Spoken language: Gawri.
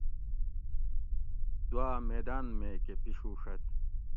دواۤ میدان میکہ پشوڛت